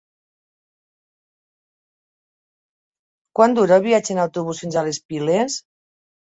Quant dura el viatge en autobús fins a les Piles?